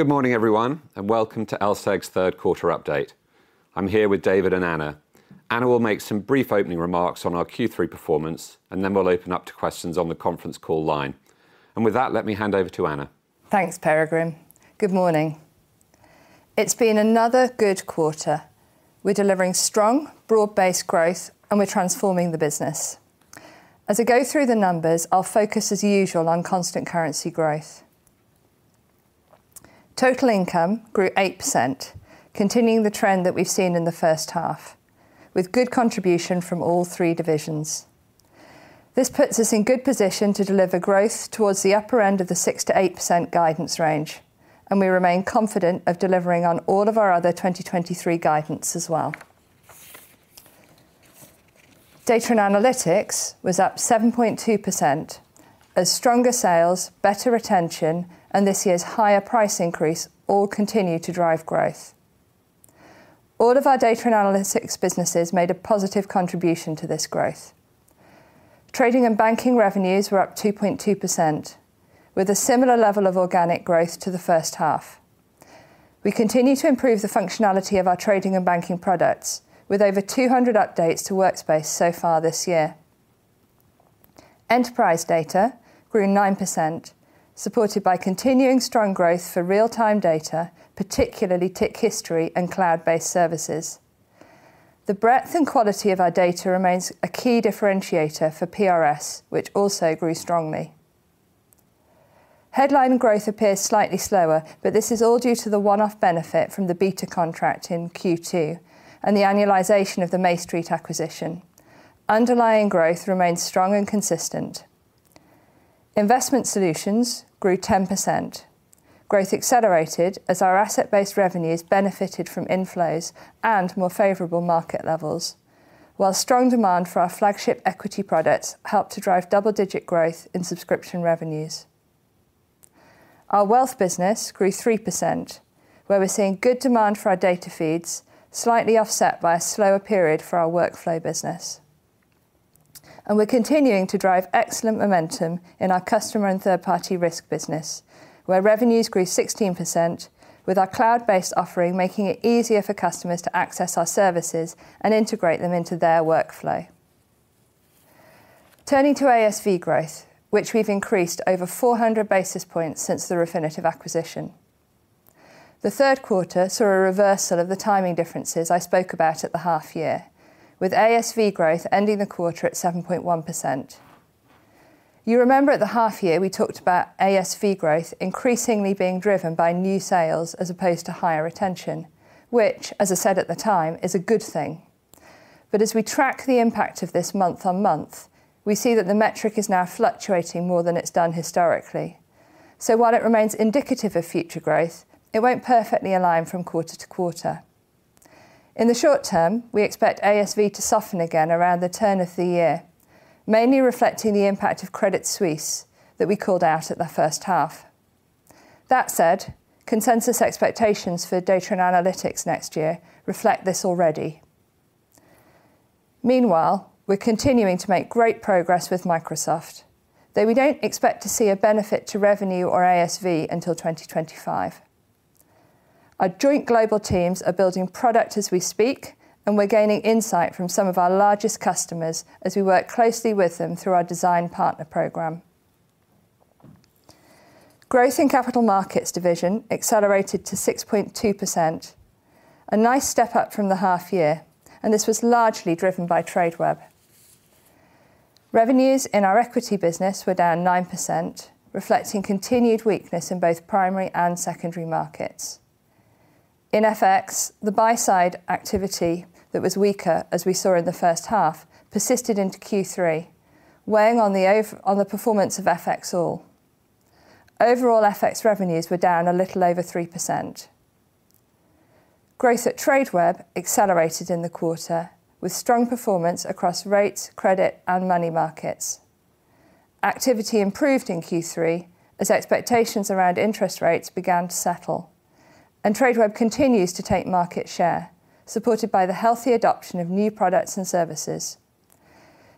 Good morning, everyone, and welcome to LSEG's third quarter update. I'm here with David and Anna. Anna will make some brief opening remarks on our Q3 performance, and then we'll open up to questions on the conference call line. With that, let me hand over to Anna. Thanks, Peregrine. Good morning. It's been another good quarter. We're delivering strong, broad-based growth, and we're transforming the business. As I go through the numbers, I'll focus, as usual, on constant currency growth. Total income grew 8%, continuing the trend that we've seen in the first half, with good contribution from all three divisions. This puts us in good position to deliver growth towards the upper end of the 6%-8% guidance range, and we remain confident of delivering on all of our other 2023 guidance as well. Data and Analytics was up 7.2%, as stronger sales, better retention, and this year's higher price increase all continue to drive growth. All of our Data and Analytics businesses made a positive contribution to this growth. Trading and banking revenues were up 2.2%, with a similar level of organic growth to the first half. We continue to improve the functionality of our trading and banking products, with over 200 updates to Workspace so far this year. Enterprise data grew 9%, supported by continuing strong growth for real-time data, particularly Tick History and cloud-based services. The breadth and quality of our data remains a key differentiator for PRS, which also grew strongly. Headline growth appears slightly slower, but this is all due to the one-off benefit from the beta contract in Q2 and the annualization of the MayStreet acquisition. Underlying growth remains strong and consistent. Investment solutions grew 10%. Growth accelerated as our asset-based revenues benefited from inflows and more favorable market levels, while strong demand for our flagship equity products helped to drive double-digit growth in subscription revenues. Our wealth business grew 3%, where we're seeing good demand for our data feeds, slightly offset by a slower period for our workflow business. And we're continuing to drive excellent momentum in our customer and third-party risk business, where revenues grew 16%, with our cloud-based offering, making it easier for customers to access our services and integrate them into their workflow. Turning to ASV growth, which we've increased over 400 basis points since the Refinitiv acquisition. The third quarter saw a reversal of the timing differences I spoke about at the half year, with ASV growth ending the quarter at 7.1%. You remember at the half year, we talked about ASV growth increasingly being driven by new sales as opposed to higher retention, which, as I said at the time, is a good thing. But as we track the impact of this month-on-month, we see that the metric is now fluctuating more than it's done historically. So while it remains indicative of future growth, it won't perfectly align from quarter-to-quarter. In the short term, we expect ASV to soften again around the turn of the year, mainly reflecting the impact of Credit Suisse that we called out at the first half. That said, consensus expectations for data and analytics next year reflect this already. Meanwhile, we're continuing to make great progress with Microsoft, though we don't expect to see a benefit to revenue or ASV until 2025. Our joint global teams are building product as we speak, and we're gaining insight from some of our largest customers as we work closely with them through our Design Partner Program. Growth in Capital Markets division accelerated to 6.2%, a nice step up from the half year, and this was largely driven by Tradeweb. Revenues in our equity business were down 9%, reflecting continued weakness in both primary and secondary markets. In FX, the buy side activity that was weaker, as we saw in the first half, persisted into Q3, weighing on the overall performance of FXall. Overall, FX revenues were down a little over 3%. Growth at Tradeweb accelerated in the quarter, with strong performance across rates, credit, and money markets. Activity improved in Q3 as expectations around interest rates began to settle, and Tradeweb continues to take market share, supported by the healthy adoption of new products and services.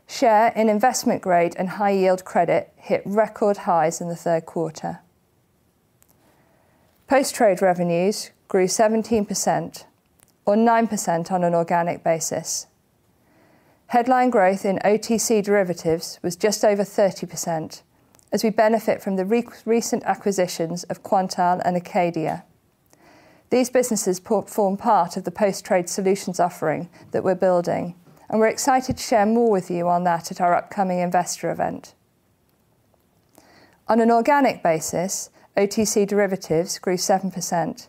Share in investment-grade and high-yield credit hit record highs in the third quarter. Post-trade revenues grew 17% or 9% on an organic basis. Headline growth in OTC derivatives was just over 30% as we benefit from the recent acquisitions of Quantile and Acadia. These businesses form part of the post-trade solutions offering that we're building, and we're excited to share more with you on that at our upcoming investor event. On an organic basis, OTC derivatives grew 7%,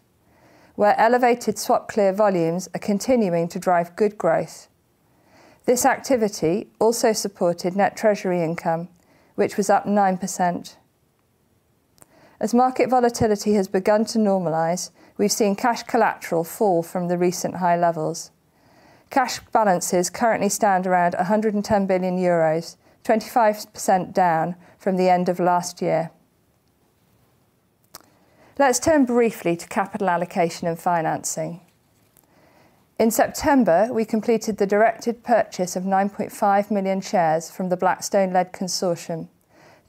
where elevated SwapClear volumes are continuing to drive good growth. This activity also supported net treasury income, which was up 9%. As market volatility has begun to normalize, we've seen cash collateral fall from the recent high levels. Cash balances currently stand around 110 billion euros, 25% down from the end of last year. Let's turn briefly to capital allocation and financing. In September, we completed the directed purchase of 9.5 million shares from the Blackstone-led consortium,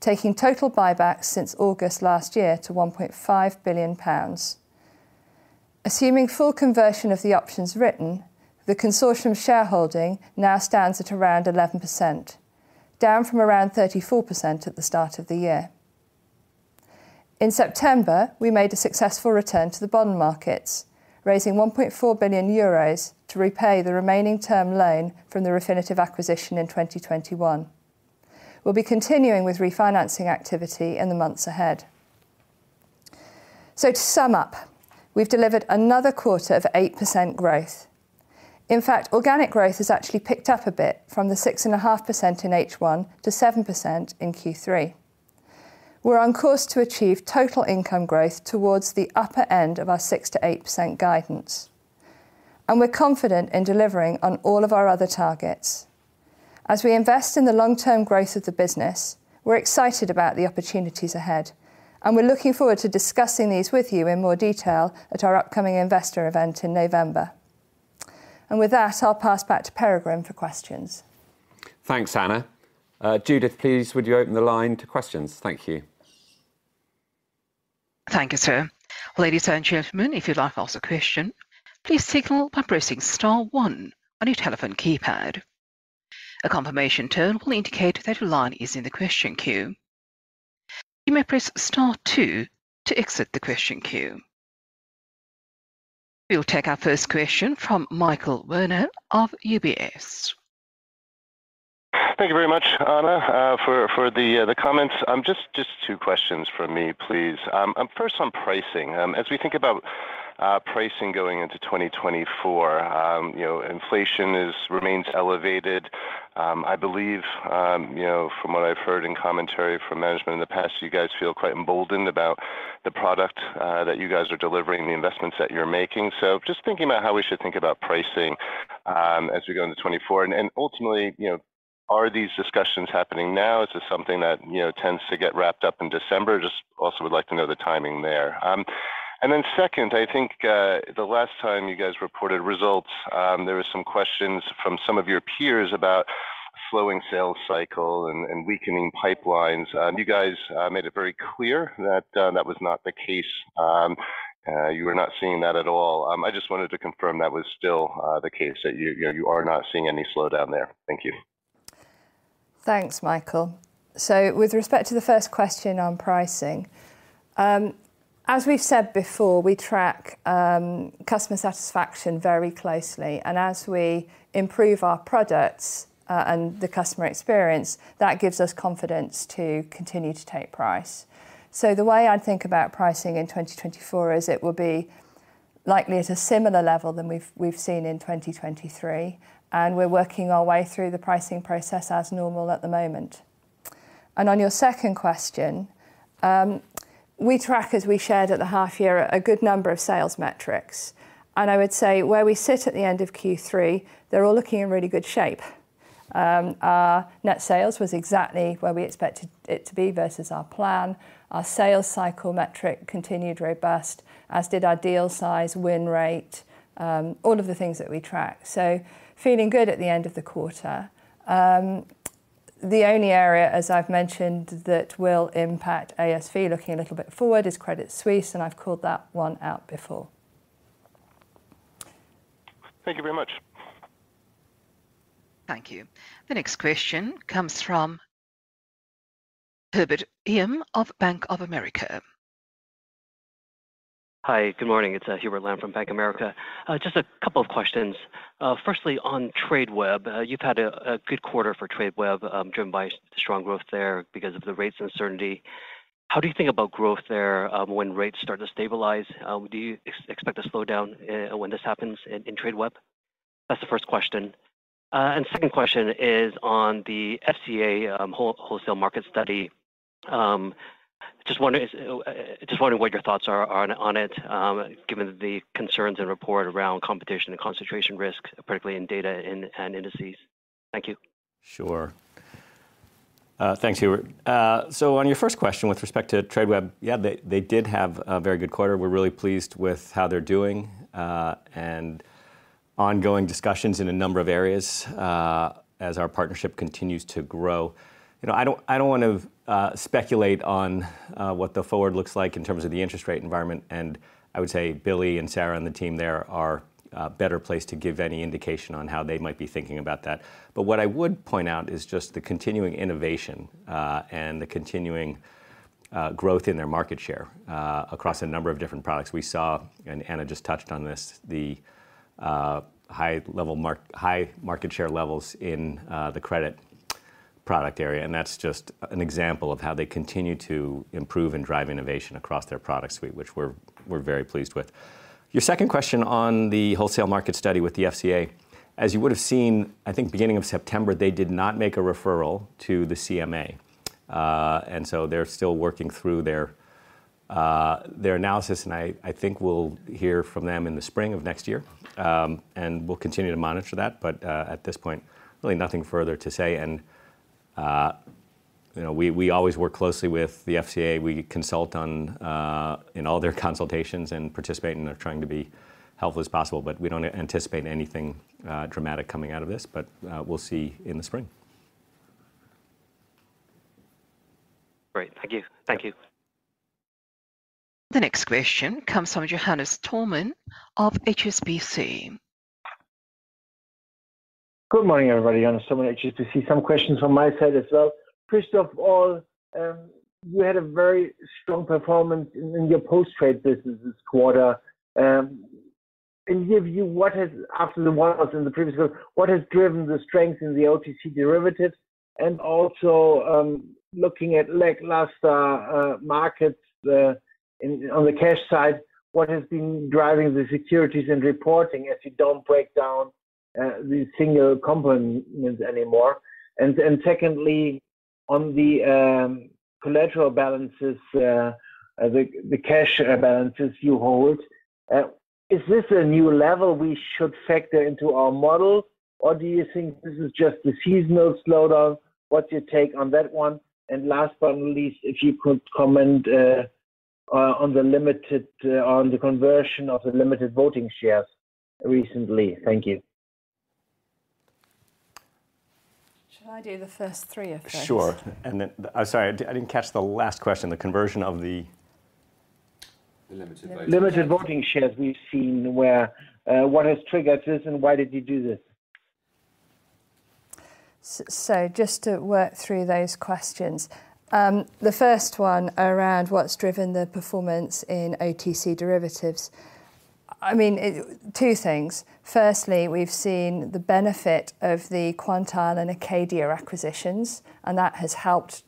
taking total buybacks since August last year to 1.5 billion pounds. Assuming full conversion of the options written, the consortium shareholding now stands at around 11%, down from around 34% at the start of the year. In September, we made a successful return to the bond markets, raising 1.4 billion euros to repay the remaining term loan from the Refinitiv acquisition in 2021. We'll be continuing with refinancing activity in the months ahead. So to sum up, we've delivered another quarter of 8% growth. In fact, organic growth has actually picked up a bit from the 6.5% in H1 to 7% in Q3. We're on course to achieve total income growth towards the upper end of our 6%-8% guidance, and we're confident in delivering on all of our other targets. As we invest in the long-term growth of the business, we're excited about the opportunities ahead, and we're looking forward to discussing these with you in more detail at our upcoming investor event in November. With that, I'll pass back to Peregrine for questions. Thanks, Anna. Judith, please, would you open the line to questions? Thank you. Thank you, sir. Ladies and gentlemen, if you'd like to ask a question, please signal by pressing star one on your telephone keypad. A confirmation tone will indicate that your line is in the question queue. You may press star two to exit the question queue. We'll take our first question from Michael Werner of UBS. Thank you very much, Anna, for the comments. Just two questions from me, please. First on pricing. As we think about pricing going into 2024, you know, inflation remains elevated. I believe, you know, from what I've heard in commentary from management in the past, you guys feel quite emboldened about the product that you guys are delivering, the investments that you're making. So just thinking about how we should think about pricing as we go into 2024. And ultimately, you know, are these discussions happening now? Is this something that, you know, tends to get wrapped up in December? Just also would like to know the timing there. And then second, I think, the last time you guys reported results, there were some questions from some of your peers about slowing sales cycle and weakening pipelines. You guys made it very clear that that was not the case. You were not seeing that at all. I just wanted to confirm that was still the case, that you are not seeing any slowdown there. Thank you. Thanks, Michael. So with respect to the first question on pricing, as we've said before, we track customer satisfaction very closely, and as we improve our products and the customer experience, that gives us confidence to continue to take price. So the way I think about pricing in 2024 is it will be likely at a similar level than we've seen in 2023, and we're working our way through the pricing process as normal at the moment. On your second question, we track, as we shared at the half year, a good number of sales metrics. I would say where we sit at the end of Q3, they're all looking in really good shape. Our net sales was exactly where we expected it to be versus our plan. Our sales cycle metric continued robust, as did our deal size, win rate, all of the things that we track. So feeling good at the end of the quarter. The only area, as I've mentioned, that will impact ASV, looking a little bit forward, is Credit Suisse, and I've called that one out before. Thank you very much. Thank you. The next question comes from Hubert Lam of Bank of America. Hi, good morning. It's Hubert Lam from Bank of America. Just a couple of questions. Firstly, on Tradeweb, you've had a good quarter for Tradeweb, driven by strong growth there because of the rates uncertainty. How do you think about growth there, when rates start to stabilize? Do you expect a slowdown, when this happens in Tradeweb? That's the first question. And second question is on the FCA, Wholesale Market Study. Just wondering what your thoughts are on it, given the concerns and report around competition and concentration risk, particularly in data and indices. Thank you. Sure. Thanks, Hubert. So on your first question, with respect to Tradeweb, yeah, they did have a very good quarter. We're really pleased with how they're doing, and ongoing discussions in a number of areas, as our partnership continues to grow. You know, I don't want to speculate on what the forward looks like in terms of the interest rate environment, and I would say Billy and Sara and the team there are better placed to give any indication on how they might be thinking about that. But what I would point out is just the continuing innovation, and the continuing growth in their market share, across a number of different products. We saw, and Anna just touched on this, the high market share levels in the credit product area, and that's just an example of how they continue to improve and drive innovation across their product suite, which we're very pleased with. Your second question on the wholesale market study with the FCA, as you would have seen, I think, beginning of September, they did not make a referral to the CMA, and so they're still working through their analysis, and I think we'll hear from them in the spring of next year. And we'll continue to monitor that, but at this point, really nothing further to say, and you know, we always work closely with the FCA. We consult on in all their consultations and participate, and they're trying to be helpful as possible, but we don't anticipate anything dramatic coming out of this, but we'll see in the spring. Great. Thank you. Thank you. The next question comes from Johannes Thormann of HSBC. Good morning, everybody. Johannes Thormann, HSBC. Some questions from my side as well. First of all, you had a very strong performance in your post-trade business this quarter. In your view, what has driven the strength in the OTC derivatives after the one that was in the previous quarter, and also, looking at listed markets, then on the cash side, what has been driving the securities and reporting as you don't break down the single components anymore? Secondly, on the collateral balances, the cash balances you hold, is this a new level we should factor into our model, or do you think this is just a seasonal slowdown? What's your take on that one? Last but not least, if you could comment on the conversion of the limited voting shares recently. Thank you. Should I do the first three, I think? Sure. And then... sorry, I didn't catch the last question, the conversion of the- The limited voting shares. Limited voting shares we've seen, where what has triggered this, and why did you do this? So just to work through those questions. The first one around what's driven the performance in OTC derivatives, I mean, two things. Firstly, we've seen the benefit of the Quantile and Acadia acquisitions, and that has helped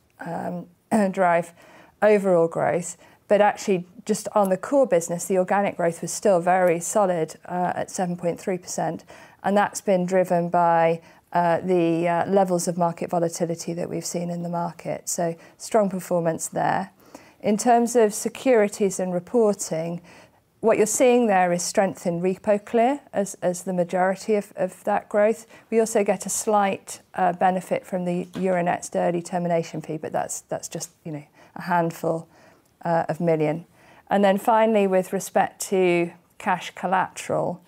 drive overall growth. But actually, just on the core business, the organic growth was still very solid at 7.3%, and that's been driven by the levels of market volatility that we've seen in the market. So strong performance there. In terms of securities and reporting, what you're seeing there is strength in RepoClear as the majority of that growth. We also get a slight benefit from the Euronext early termination fee, but that's just, you know, a handful of million. And then finally, with respect to cash collateral,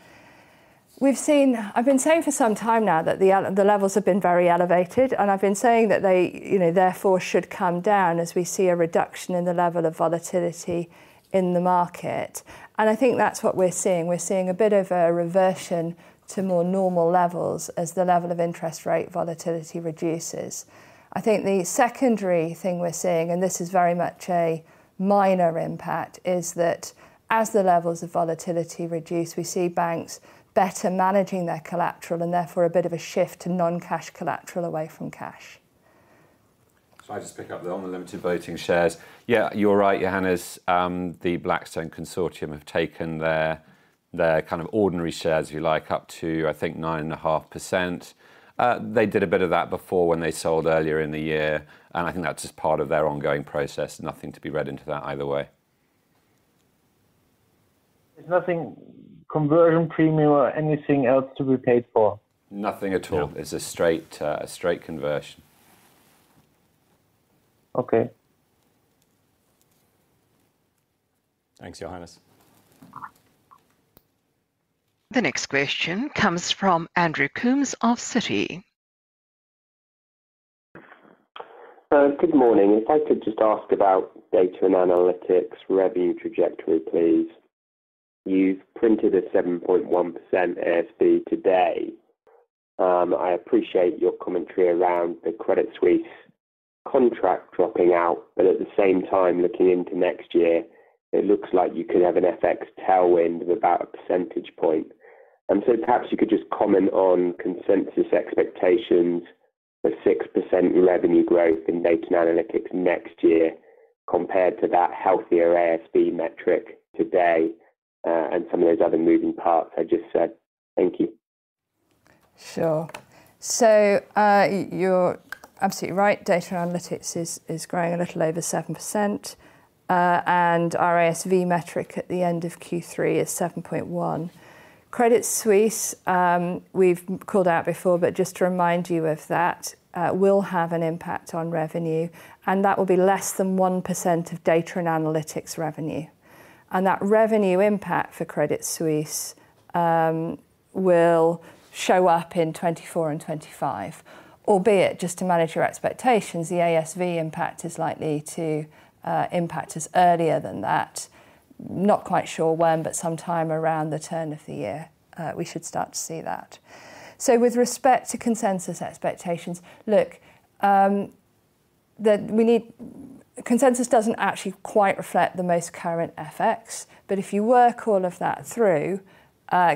we've seen—I've been saying for some time now that the levels have been very elevated, and I've been saying that they, you know, therefore, should come down as we see a reduction in the level of volatility in the market. And I think that's what we're seeing. We're seeing a bit of a reversion to more normal levels as the level of interest rate volatility reduces. I think the secondary thing we're seeing, and this is very much a minor impact, is that as the levels of volatility reduce, we see banks better managing their collateral, and therefore a bit of a shift to non-cash collateral away from cash. So I'll just pick up on the limited voting shares. Yeah, you're right, Johannes. The Blackstone consortium have taken their, their kind of ordinary shares, if you like, up to, I think, 9.5%. They did a bit of that before when they sold earlier in the year, and I think that's just part of their ongoing process. Nothing to be read into that either way. There's nothing, conversion premium or anything else to be paid for? Nothing at all. No. It's a straight, a straight conversion. Okay. Thanks, Johannes. The next question comes from Andrew Coombs of Citi. Good morning. If I could just ask about data and analytics revenue trajectory, please. You've printed a 7.1% ASV today. I appreciate your commentary around the Credit Suisse contract dropping out, but at the same time, looking into next year, it looks like you could have an FX tailwind of about a percentage point. And so perhaps you could just comment on consensus expectations of 6% revenue growth in data and analytics next year, compared to that healthier ASV metric today, and some of those other moving parts I just said. Thank you. Sure. So, you're absolutely right. Data and Analytics is growing a little over 7%, and our ASV metric at the end of Q3 is 7.1. Credit Suisse, we've called out before, but just to remind you of that, will have an impact on revenue, and that will be less than 1% of Data and Analytics revenue. And that revenue impact for Credit Suisse, will show up in 2024 and 2025, albeit just to manage your expectations, the ASV impact is likely to impact us earlier than that. Not quite sure when, but sometime around the turn of the year, we should start to see that. So with respect to consensus expectations, look, the... We need... Consensus doesn't actually quite reflect the most current FX, but if you work all of that through,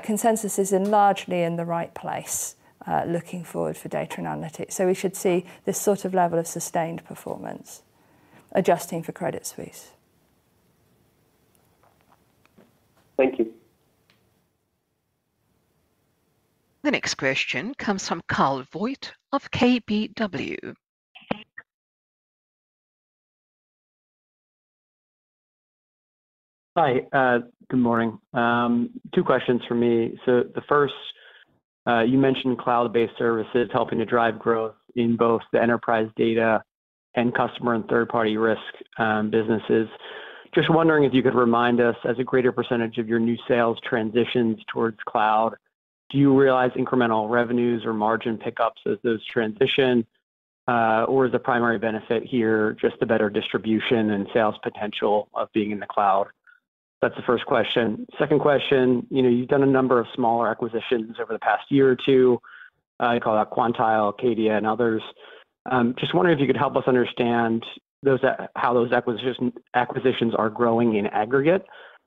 consensus is in largely in the right place, looking forward for data and analytics. So we should see this sort of level of sustained performance, adjusting for Credit Suisse. Thank you. The next question comes from Kyle Voigt of KBW.... Hi, good morning. Two questions for me. So the first, you mentioned cloud-based services helping to drive growth in both the enterprise data and customer and third-party risk businesses. Just wondering if you could remind us, as a greater percentage of your new sales transitions towards cloud, do you realize incremental revenues or margin pickups as those transition? Or is the primary benefit here just the better distribution and sales potential of being in the cloud? That's the first question. Second question, you know, you've done a number of smaller acquisitions over the past year or two, I call out Quantile, Acadia, and others. Just wondering if you could help us understand how those acquisitions are growing in aggregate.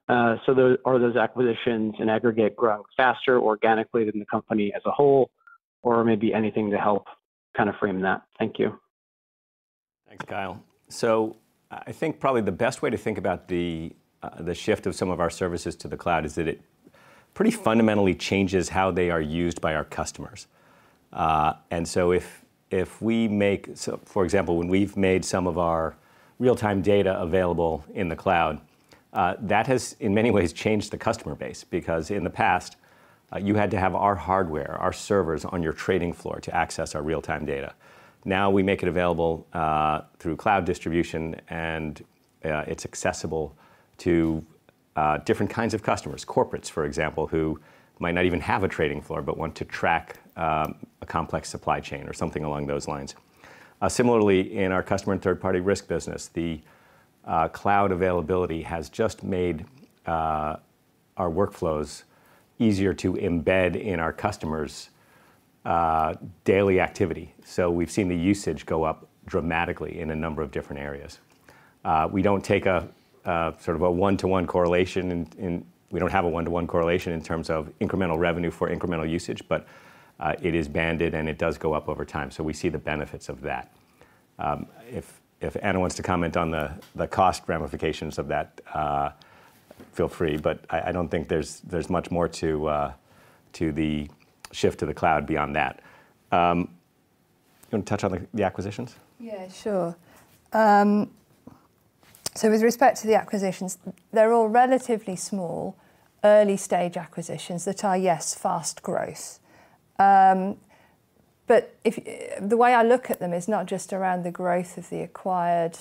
So those... Are those acquisitions in aggregate growing faster organically than the company as a whole? Or maybe anything to help kind of frame that. Thank you. Thanks, Kyle. So I think probably the best way to think about the shift of some of our services to the cloud is that it pretty fundamentally changes how they are used by our customers. And so, for example, when we've made some of our real-time data available in the cloud, that has, in many ways, changed the customer base. Because in the past, you had to have our hardware, our servers on your trading floor to access our real-time data. Now, we make it available through cloud distribution, and it's accessible to different kinds of customers. Corporates, for example, who might not even have a trading floor, but want to track a complex supply chain or something along those lines. Similarly, in our customer and third-party risk business, cloud availability has just made our workflows easier to embed in our customers' daily activity. So we've seen the usage go up dramatically in a number of different areas. We don't have a one-to-one correlation in terms of incremental revenue for incremental usage, but it is banded, and it does go up over time. So we see the benefits of that. If Anna wants to comment on the cost ramifications of that, feel free, but I don't think there's much more to the shift to the cloud beyond that. You want to touch on the acquisitions? Yeah, sure. So with respect to the acquisitions, they're all relatively small, early-stage acquisitions that are, yes, fast growth. But if, The way I look at them is not just around the growth of the acquired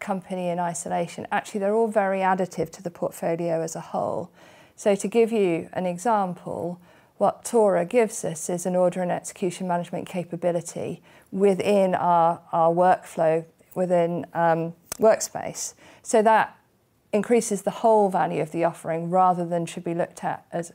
company in isolation. Actually, they're all very additive to the portfolio as a whole. So to give you an example, what TORA gives us is an order and execution management capability within our workflow, within Workspace. So that increases the whole value of the offering, rather than should be looked at as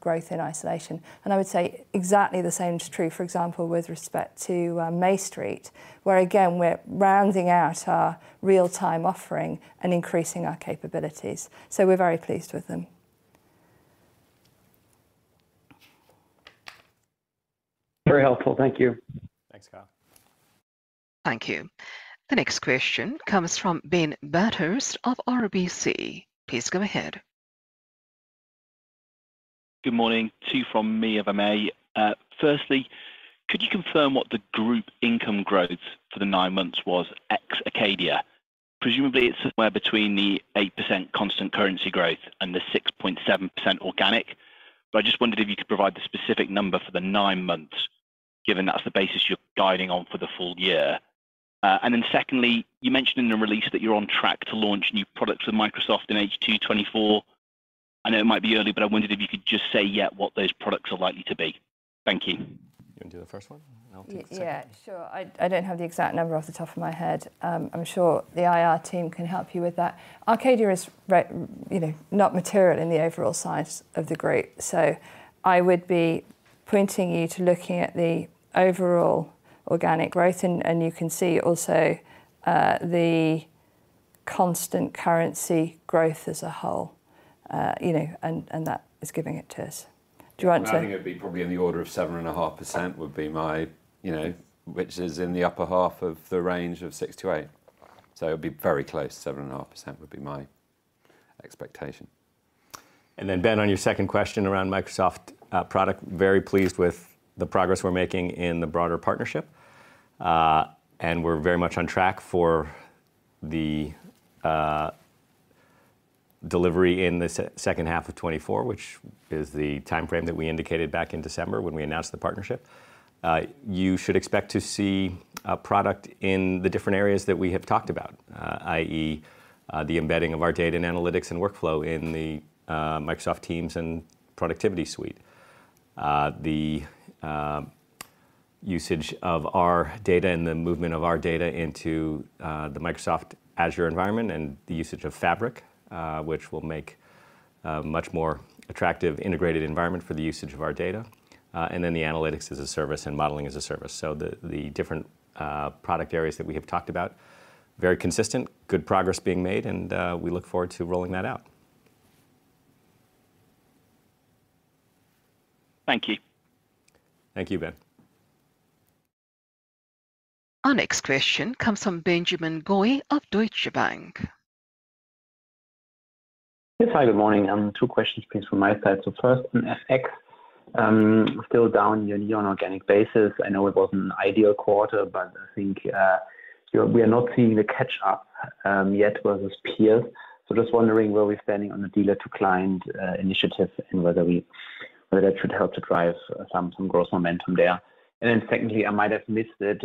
growth in isolation. And I would say exactly the same is true, for example, with respect to MayStreet, where, again, we're rounding out our real-time offering and increasing our capabilities. So we're very pleased with them. Very helpful. Thank you. Thanks, Kyle. Thank you. The next question comes from Ben Bathurst of RBC. Please go ahead. Good morning. Two from me, if I may. Firstly, could you confirm what the group income growth for the nine months was ex Acadia? Presumably, it's somewhere between the 8% constant currency growth and the 6.7% organic. But I just wondered if you could provide the specific number for the nine months, given that's the basis you're guiding on for the full year. And then secondly, you mentioned in the release that you're on track to launch new products with Microsoft in H2 2024. I know it might be early, but I wondered if you could just say yet what those products are likely to be. Thank you. You want to do the first one, and I'll take the second? Yeah, sure. I, I don't have the exact number off the top of my head. I'm sure the IR team can help you with that. Acadia is re- you know, not material in the overall size of the group. So I would be pointing you to looking at the overall organic growth, and, and you can see also, the constant currency growth as a whole. You know, and, and that is giving it to us. Do you want to- I think it'd be probably in the order of 7.5%, would be my... You know, which is in the upper half of the range of 6%-8%. So it'd be very close. 7.5% would be my expectation. And then, Ben, on your second question around Microsoft product, very pleased with the progress we're making in the broader partnership. And we're very much on track for the delivery in the second half of 2024, which is the timeframe that we indicated back in December when we announced the partnership. You should expect to see a product in the different areas that we have talked about, i.e., the embedding of our data and analytics and workflow in the Microsoft Teams and Productivity Suite. The usage of our data and the movement of our data into the Microsoft Azure environment and the usage of Fabric, which will make a much more attractive, integrated environment for the usage of our data, and then the analytics as a service and modeling as a service. So the different product areas that we have talked about, very consistent, good progress being made, and we look forward to rolling that out. Thank you. Thank you, Ben. Our next question comes from Benjamin Goy of Deutsche Bank. Hi, good morning. Two questions, please, from my side. So first, in effect-... still down year-on-year on organic basis. I know it wasn't an ideal quarter, but I think, we are not seeing the catch-up, yet versus peers. So just wondering where we're standing on the dealer-to-client, initiative and whether we-- whether that should help to drive some, some growth momentum there. And then secondly, I might have missed it,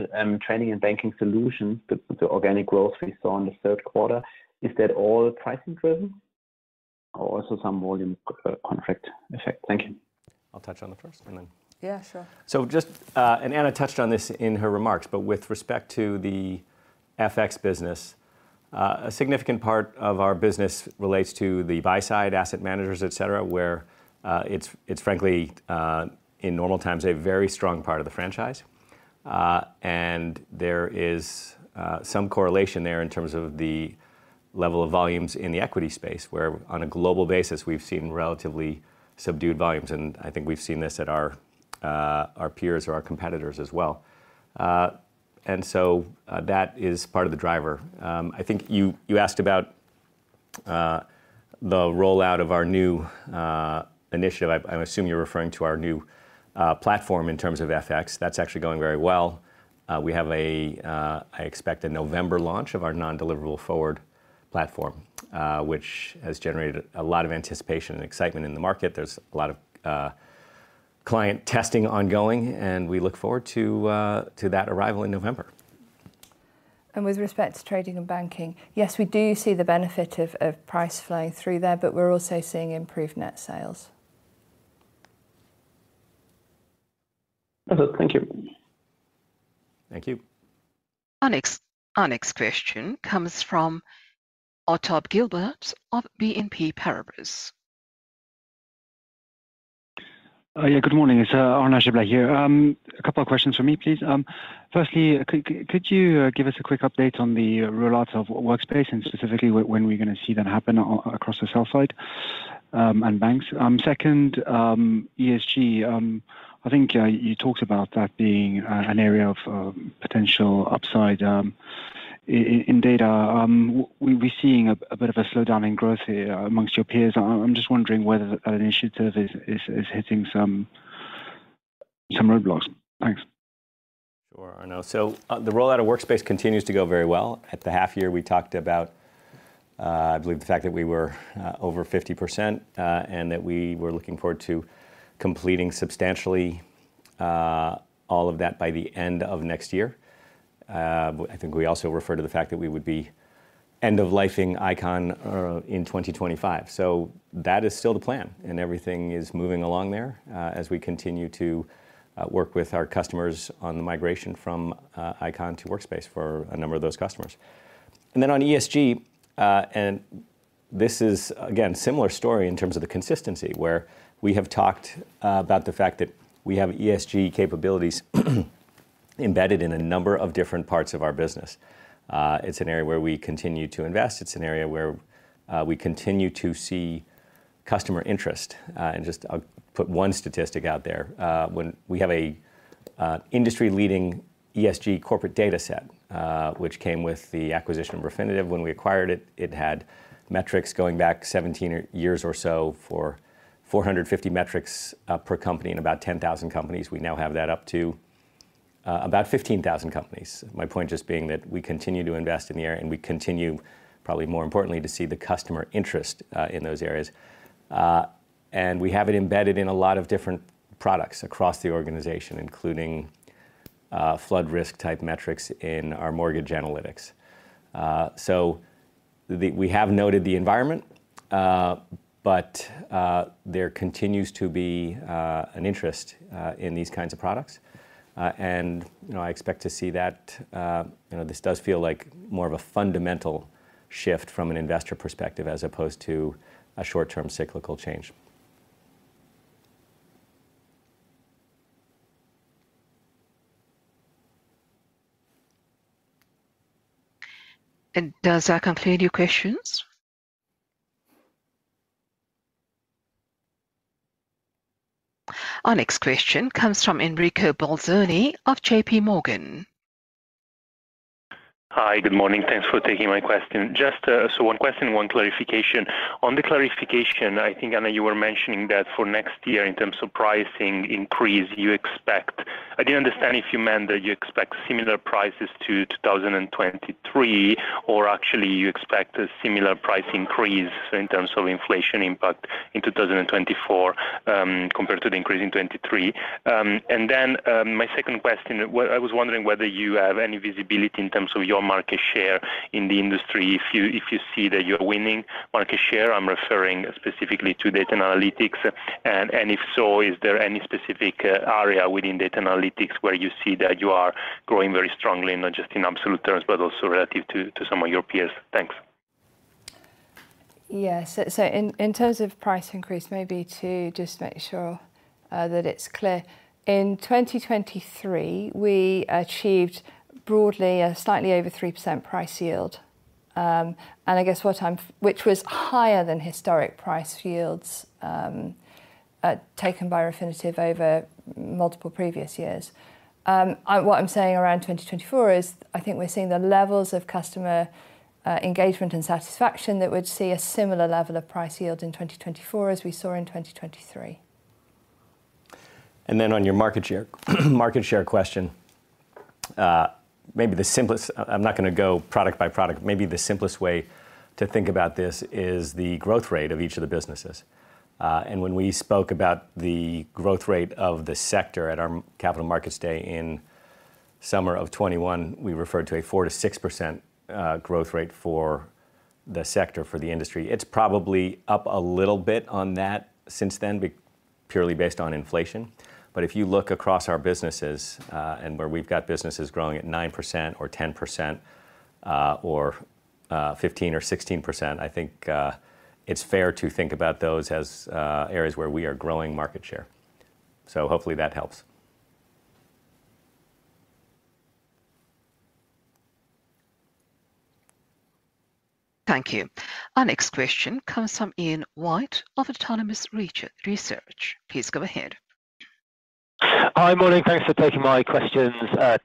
trading and banking solutions, the, the organic growth we saw in the third quarter, is that all pricing-driven or also some volume contract effect? Thank you. I'll touch on the first, and then- Yeah, sure. Just, Anna touched on this in her remarks, but with respect to the FX business, a significant part of our business relates to the buy-side, asset managers, et cetera, where it's frankly, in normal times, a very strong part of the franchise. There is some correlation there in terms of the level of volumes in the equity space, where on a global basis, we've seen relatively subdued volumes, and I think we've seen this at our peers or our competitors as well. That is part of the driver. I think you asked about the rollout of our new initiative. I assume you're referring to our new platform in terms of FX. That's actually going very well. I expect a November launch of our non-deliverable forward platform, which has generated a lot of anticipation and excitement in the market. There's a lot of client testing ongoing, and we look forward to that arrival in November. With respect to trading and banking, yes, we do see the benefit of, of price flowing through there, but we're also seeing improved net sales. Okay. Thank you. Thank you. Our next question comes from Arnaud Giblat of BNP Paribas. Yeah, good morning. It's Arnaud Giblat here. A couple of questions from me, please. Firstly, could you give us a quick update on the rollout of Workspace, and specifically, when we're gonna see that happen across the sell side, and banks? Second, ESG, I think you talked about that being an area of potential upside in data. We're seeing a bit of a slowdown in growth here among your peers. I'm just wondering whether an initiative is hitting some roadblocks. Thanks. Sure, Arnaud. So the rollout of Workspace continues to go very well. At the half year, we talked about, I believe the fact that we were over 50%, and that we were looking forward to completing substantially all of that by the end of next year. I think we also referred to the fact that we would be end-of-lifing Eikon in 2025. So that is still the plan, and everything is moving along there, as we continue to work with our customers on the migration from Eikon to Workspace for a number of those customers. And then on ESG, and this is, again, similar story in terms of the consistency, where we have talked about the fact that we have ESG capabilities embedded in a number of different parts of our business. It's an area where we continue to invest. It's an area where we continue to see customer interest. And just I'll put one statistic out there. When we have a industry-leading ESG corporate dataset, which came with the acquisition of Refinitiv. When we acquired it, it had metrics going back 17 years or so for 450 metrics per company and about 10,000 companies. We now have that up to about 15,000 companies. My point just being that we continue to invest in the area, and we continue, probably more importantly, to see the customer interest in those areas. And we have it embedded in a lot of different products across the organization, including flood risk-type metrics in our mortgage analytics. So we have noted the environment, but there continues to be an interest in these kinds of products. And, you know, I expect to see that. You know, this does feel like more of a fundamental shift from an investor perspective, as opposed to a short-term cyclical change. Does that conclude your questions? Our next question comes from Enrico Bolzoni of JPMorgan. Hi, good morning. Thanks for taking my question. Just, so one question, one clarification. On the clarification, I think, Anna, you were mentioning that for next year, in terms of pricing increase, you expect... I didn't understand if you meant that you expect similar prices to 2023, or actually you expect a similar price increase in terms of inflation impact in 2024, compared to the increase in 2023. And then, my second question, I was wondering whether you have any visibility in terms of your market share in the industry, if you see that you're winning market share. I'm referring specifically to data analytics. And if so, is there any specific area within data analytics where you see that you are growing very strongly, and not just in absolute terms, but also relative to some of your peers? Thanks. Yes. In terms of price increase, maybe to just make sure that it's clear, in 2023, we achieved broadly a slightly over 3% Price Yield, which was higher than historic Price Yields taken by Refinitiv over multiple previous years. What I'm saying around 2024 is, I think we're seeing the levels of customer engagement and satisfaction that would see a similar level of Price Yield in 2024 as we saw in 2023.... And then on your market share, market share question, maybe the simplest—I'm not gonna go product by product. Maybe the simplest way to think about this is the growth rate of each of the businesses. And when we spoke about the growth rate of the sector at our capital markets day in summer of 2021, we referred to a 4%-6% growth rate for the sector, for the industry. It's probably up a little bit on that since then, purely based on inflation. But if you look across our businesses, and where we've got businesses growing at 9% or 10%, or 15% or 16%, I think it's fair to think about those as areas where we are growing market share. So hopefully that helps. Thank you. Our next question comes from Ian White of Autonomous Research. Please go ahead. Hi, morning. Thanks for taking my questions,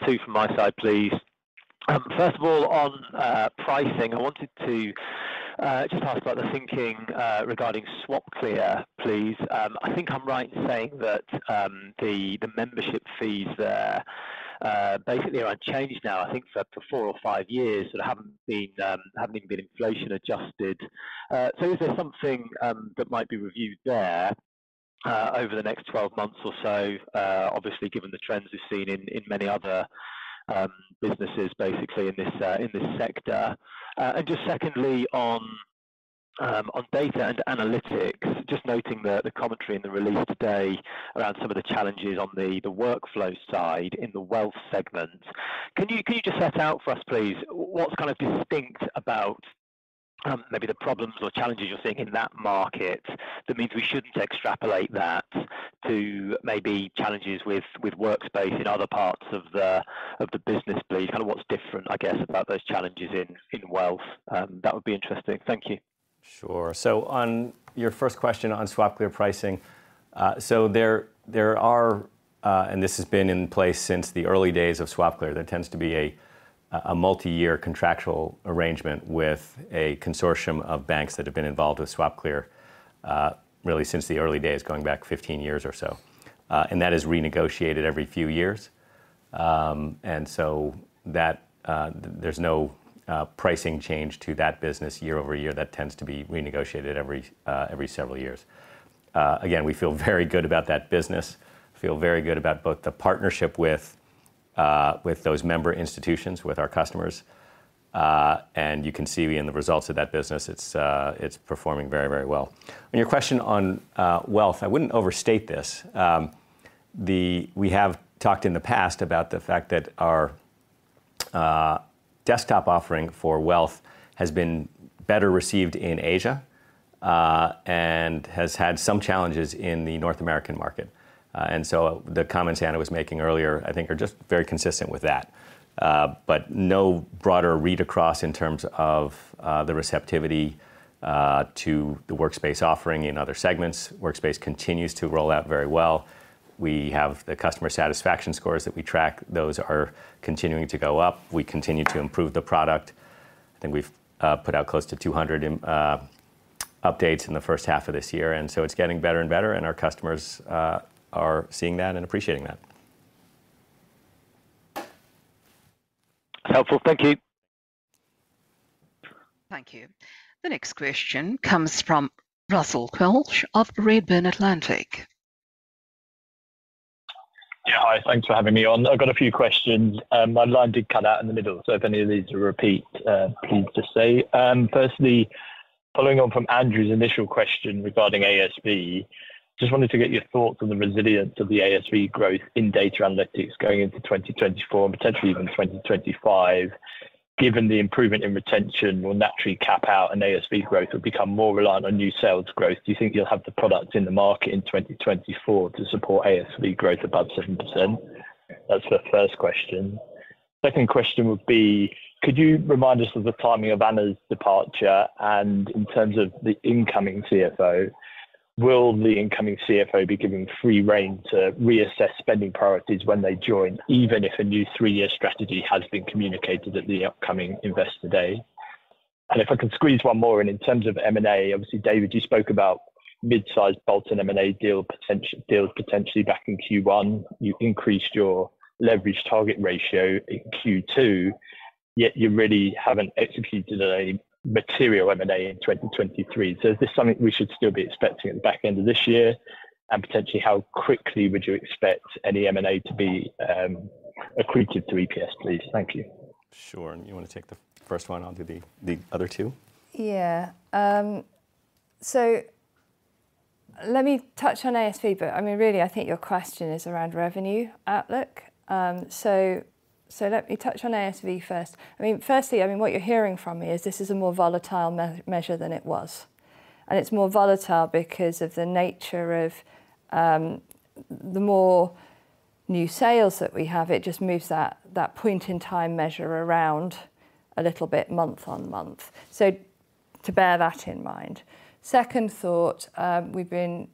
two from my side, please. First of all, on pricing, I wanted to just ask about the thinking regarding SwapClear, please. I think I'm right in saying that the membership fees there basically are unchanged now, I think, for up to four or five years, that haven't been, haven't even been inflation adjusted. So is there something that might be reviewed there over the next 12 months or so? Obviously, given the trends we've seen in many other businesses, basically in this sector. And just secondly, on data and analytics, just noting the commentary in the release today around some of the challenges on the workflow side in the wealth segment. Can you just set out for us, please, what's kind of distinct about maybe the problems or challenges you're seeing in that market? That means we shouldn't extrapolate that to maybe challenges with Workspace in other parts of the business, please. Kinda what's different, I guess, about those challenges in wealth? That would be interesting. Thank you. Sure. So on your first question on SwapClear pricing, this has been in place since the early days of SwapClear. There tends to be a multi-year contractual arrangement with a consortium of banks that have been involved with SwapClear, really since the early days, going back 15 years or so. And that is renegotiated every few years. So that, there's no pricing change to that business year over year. That tends to be renegotiated every several years. Again, we feel very good about that business. Feel very good about both the partnership with those member institutions, with our customers, and you can see in the results of that business, it's performing very, very well. On your question on wealth, I wouldn't overstate this. We have talked in the past about the fact that our desktop offering for wealth has been better received in Asia, and has had some challenges in the North American market. And so the comments Anna was making earlier, I think, are just very consistent with that. But no broader read across in terms of the receptivity to the Workspace offering in other segments. Workspace continues to roll out very well. We have the customer satisfaction scores that we track. Those are continuing to go up. We continue to improve the product. I think we've put out close to 200 updates in the first half of this year, and so it's getting better and better, and our customers are seeing that and appreciating that. Helpful. Thank you. Thank you. The next question comes from Russell Quelch of Redburn Atlantic. Yeah. Hi, thanks for having me on. I've got a few questions. My line did cut out in the middle, so if any of these are repeat, please just say. Firstly, following on from Andrew's initial question regarding ASV, just wanted to get your thoughts on the resilience of the ASV growth in data analytics going into 2024 and potentially even 2025. Given the improvement in retention will naturally cap out and ASV growth will become more reliant on new sales growth, do you think you'll have the products in the market in 2024 to support ASV growth above 7%? That's the first question. Second question would be: Could you remind us of the timing of Anna's departure? And in terms of the incoming CFO, will the incoming CFO be given free rein to reassess spending priorities when they join, even if a new three-year strategy has been communicated at the upcoming Investor Day? And if I could squeeze one more, and in terms of M&A, obviously, David, you spoke about mid-sized bolt-on M&A deals potentially back in Q1. You increased your leverage target ratio in Q2, yet you really haven't executed a material M&A in 2023. So is this something we should still be expecting at the back end of this year? And potentially, how quickly would you expect any M&A to be accreted to EPS, please? Thank you. Sure. You wanna take the first one, I'll do the other two? Yeah. So let me touch on ASV, but, I mean, really, I think your question is around revenue outlook. So let me touch on ASV first. I mean, firstly, I mean, what you're hearing from me is this is a more volatile measure than it was, and it's more volatile because of the nature of the more new sales that we have. It just moves that point-in-time measure around a little bit month-on-month. So bear that in mind. Second thought, we've been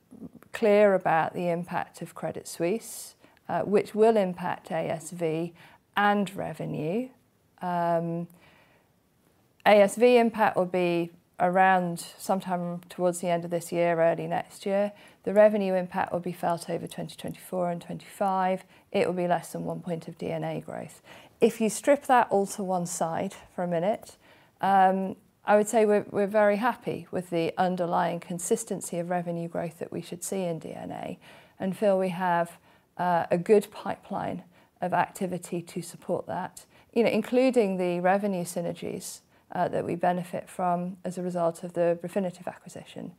clear about the impact of Credit Suisse, which will impact ASV and revenue. ASV impact will be around sometime towards the end of this year, early next year. The revenue impact will be felt over 2024 and 2025. It will be less than one point of D&A growth. If you strip that all to one side for a minute, I would say we're, we're very happy with the underlying consistency of revenue growth that we should see in D&A. And feel, we have a good pipeline of activity to support that, you know, including the revenue synergies that we benefit from as a result of the Refinitiv acquisition.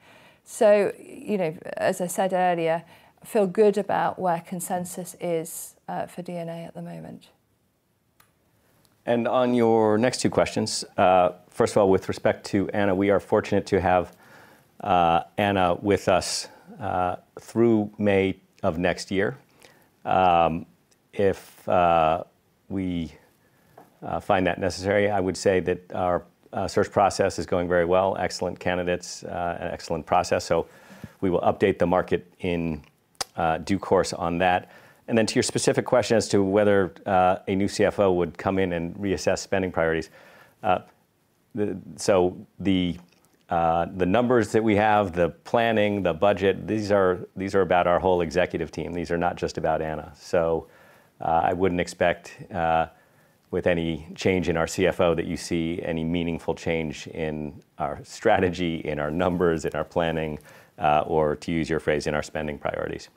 So, you know, as I said earlier, feel good about where consensus is for D&A at the moment. And on your next two questions, first of all, with respect to Anna, we are fortunate to have Anna with us through May of next year. If we find that necessary, I would say that our search process is going very well, excellent candidates, and excellent process. So we will update the market in due course on that. And then to your specific question as to whether a new CFO would come in and reassess spending priorities. So the numbers that we have, the planning, the budget, these are about our whole executive team. These are not just about Anna. So, I wouldn't expect, with any change in our CFO, that you see any meaningful change in our strategy, in our numbers, in our planning, or to use your phrase, in our spending priorities.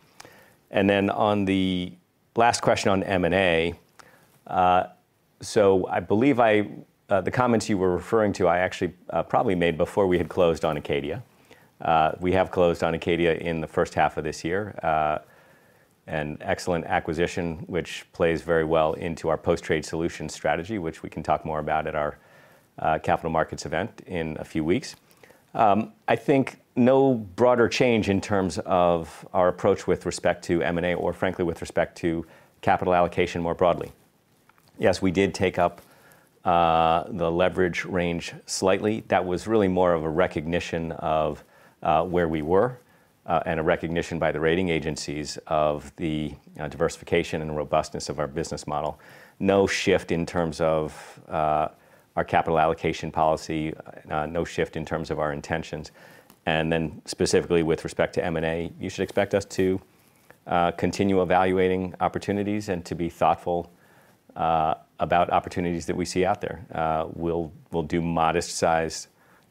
And then on the last question on M&A, so I believe the comments you were referring to, I actually probably made before we had closed on Acadia. We have closed on Acadia in the first half of this year. An excellent acquisition, which plays very well into our post-trade solution strategy, which we can talk more about at our capital markets event in a few weeks. I think no broader change in terms of our approach with respect to M&A or frankly, with respect to capital allocation more broadly. Yes, we did take up the leverage range slightly. That was really more of a recognition of where we were and a recognition by the rating agencies of the diversification and robustness of our business model. No shift in terms of our capital allocation policy, no shift in terms of our intentions. And then specifically with respect to M&A, you should expect us to continue evaluating opportunities and to be thoughtful about opportunities that we see out there. We'll do modest size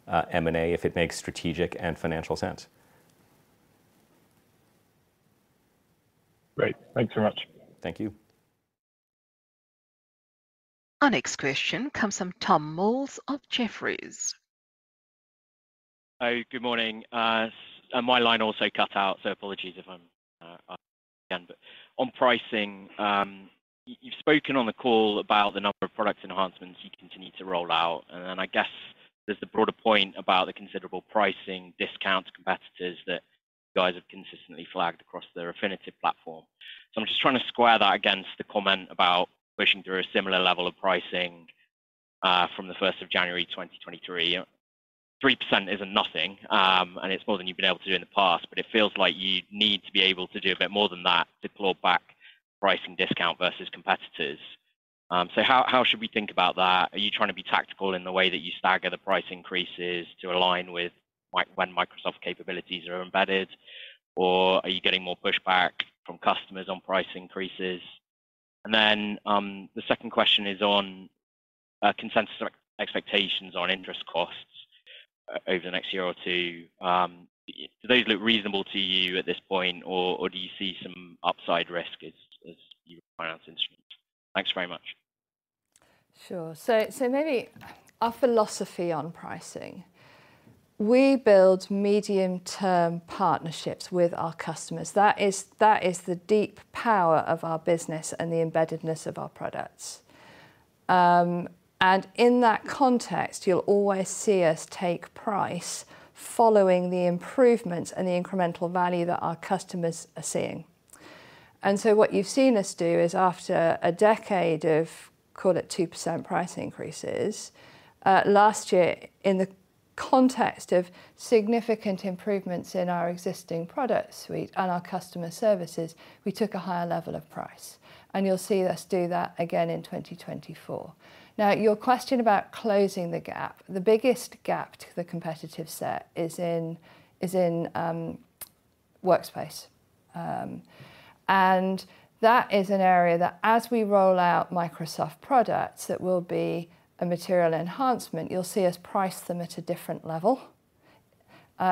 M&A if it makes strategic and financial sense. Great. Thank you very much. Thank you. Our next question comes from Tom Mills of Jefferies. Hi, good morning. My line also cut out, so apologies if I'm again, but on pricing, you've spoken on the call about the number of products enhancements you continue to roll out, and then I guess there's the broader point about the considerable pricing discounts competitors that you guys have consistently flagged across the Refinitiv platform. So I'm just trying to square that against the comment about pushing through a similar level of pricing, from the first of January 2023. 3% isn't nothing, and it's more than you've been able to do in the past, but it feels like you need to be able to do a bit more than that to claw back pricing discount versus competitors. So how, how should we think about that? Are you trying to be tactical in the way that you stagger the price increases to align with Microsoft when capabilities are embedded, or are you getting more pushback from customers on price increases? And then, the second question is on consensus expectations on interest costs over the next year or two. Do those look reasonable to you at this point, or do you see some upside risk as you finance instruments? Thanks very much. Sure. So maybe our philosophy on pricing. We build medium-term partnerships with our customers. That is the deep power of our business and the embeddedness of our products. And in that context, you'll always see us take price following the improvements and the incremental value that our customers are seeing. And so what you've seen us do is after a decade of, call it 2% price increases, last year, in the context of significant improvements in our existing product suite and our customer services, we took a higher level of price, and you'll see us do that again in 2024. Now, your question about closing the gap, the biggest gap to the competitive set is in Workspace. And that is an area that as we roll out Microsoft products, it will be a material enhancement. You'll see us price them at a different level,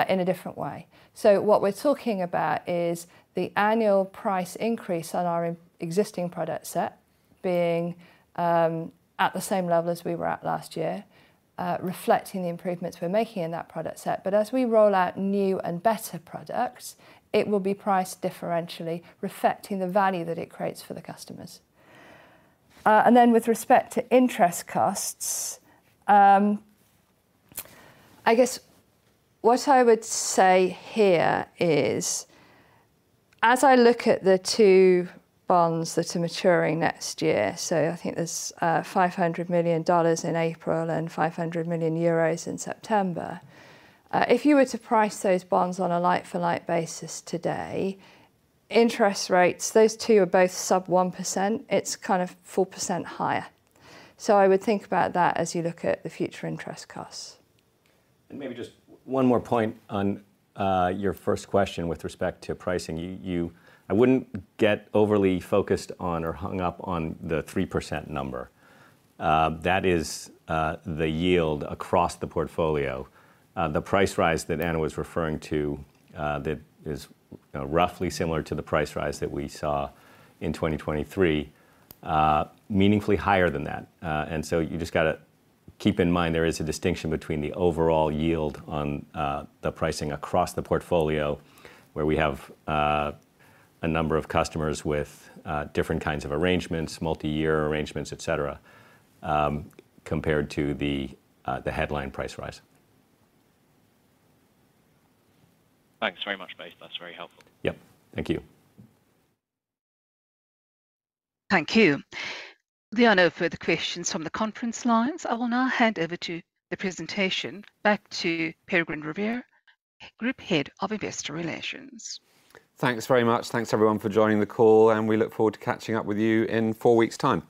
in a different way. So what we're talking about is the annual price increase on our existing product set being at the same level as we were at last year, reflecting the improvements we're making in that product set. But as we roll out new and better products, it will be priced differentially, reflecting the value that it creates for the customers. And then with respect to interest costs, I guess what I would say here is, as I look at the two bonds that are maturing next year, so I think there's $500 million in April and 500 million euros in September. If you were to price those bonds on a like-for-like basis today, interest rates, those two are both sub-1%. It's kind of 4% higher. I would think about that as you look at the future interest costs. Maybe just one more point on your first question with respect to pricing. I wouldn't get overly focused on or hung up on the 3% number. That is the yield across the portfolio. The price rise that Anna was referring to, that is roughly similar to the price rise that we saw in 2023, meaningfully higher than that. And so you just got to keep in mind there is a distinction between the overall yield on the pricing across the portfolio, where we have a number of customers with different kinds of arrangements, multi-year arrangements, et cetera, compared to the headline price rise. Thanks very much, both. That's very helpful. Yep. Thank you. Thank you. There are no further questions from the conference lines. I will now hand over to the presentation back to Peregrine Riviere, Group Head of Investor Relations. Thanks very much. Thanks, everyone, for joining the call, and we look forward to catching up with you in four weeks time.